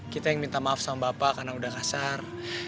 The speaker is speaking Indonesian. kita yang minta maaf sama bapak karena udah kasar